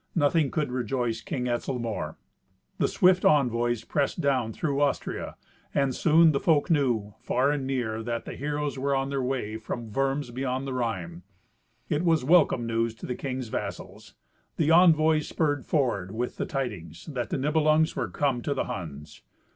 Nothing could rejoice King Etzel more." The swift envoys pressed down through Austria, and soon the folk knew, far and near, that the heroes were on their way from Worms beyond the Rhine. It was welcome news to the king's vassals. The envoys spurred forward with the tidings that the Nibelungs were come to the Huns.